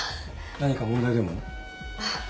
何か問題でも？